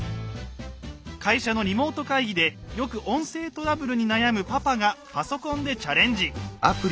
会社のリモート会議でよく音声トラブルに悩むパパがパソコンでチャレンジ。